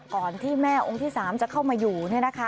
ก่อนที่แม่องค์ที่๓จะเข้ามาอยู่